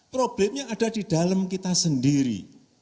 problemnya ada di dalam kita sendiri